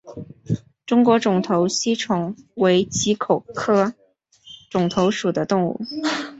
中国肿头吸虫为棘口科肿头属的动物。